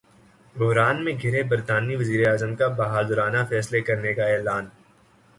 بحران میں گِھرے برطانوی وزیراعظم کا ’بہادرانہ فیصلے‘ کرنے کا اعلان